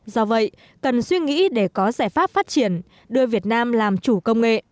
do vậy cần suy nghĩ để có giải pháp phát triển đưa việt nam làm chủ công nghệ